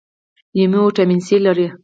لیمو ویټامین سي لري